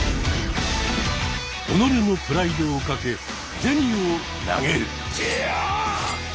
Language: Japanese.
己のプライドを懸け銭を投げる。